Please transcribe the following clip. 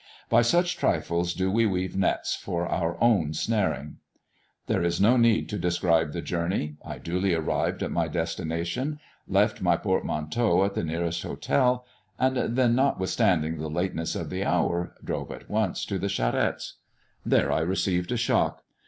By such trifles do we weave nets for our own snaring. There is no need to describe the journey. I duly arrived at my destination, left my portmanteau at the nearest hotel, and then, notwithstanding the lateness of the hour, drove at once to the Charettes*. There I received a shock.